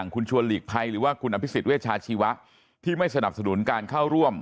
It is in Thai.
คุณชวนหลีกภัยหรือว่าคุณอภิษฎเวชาชีวะที่ไม่สนับสนุนการเข้าร่วม